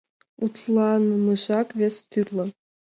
Мутланымыжак вес тӱрлӧ.